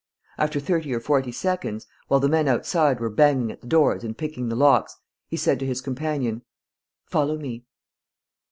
After thirty or forty seconds, while the men outside were banging at the doors and picking the locks, he said to his companion: "Follow me."